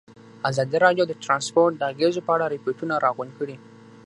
ازادي راډیو د ترانسپورټ د اغېزو په اړه ریپوټونه راغونډ کړي.